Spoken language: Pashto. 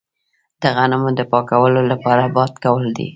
د غنمو د پاکولو لاره باد کول دي.